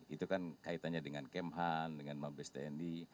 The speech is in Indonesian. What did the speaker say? itu kan kaitannya dengan kemhan dengan mabes tni